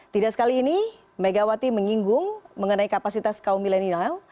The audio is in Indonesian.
tidak sekali ini megawati menyinggung mengenai kapasitas kaum milenial